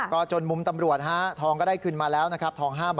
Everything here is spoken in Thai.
ก็จนมุมตำรวจฮะทองก็ได้ขึ้นมาแล้วนะครับทอง๕๐๐